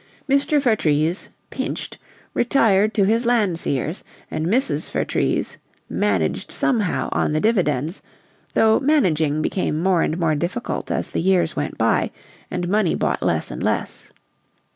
Mr. Vertrees, pinched, retired to his Landseers, and Mrs. Vertrees "managed somehow" on the dividends, though "managing" became more and more difficult as the years went by and money bought less and less.